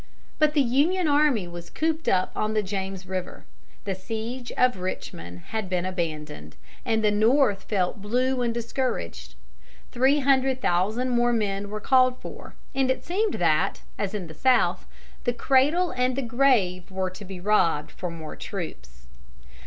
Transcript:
But the Union army was cooped up on the James River. The siege of Richmond had been abandoned, and the North felt blue and discouraged. Three hundred thousand more men were called for, and it seemed that, as in the South, "the cradle and the grave were to be robbed" for more troops.